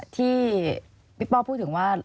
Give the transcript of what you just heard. ที่พี่ป้อพูดถึงว่า